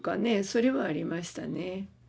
それはありましたねうん。